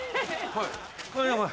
はい。